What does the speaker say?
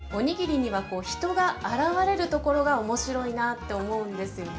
おにぎりには人が表れるところが面白いなって思うんですよね。